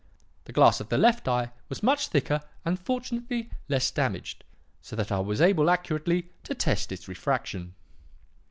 The glass of the left eye was much thicker and fortunately less damaged, so that I was able accurately to test its refraction.